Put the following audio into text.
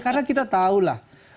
karena kita tahu lah